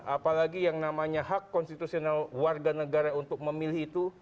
apalagi yang namanya hak konstitusional warga negara untuk memilih itu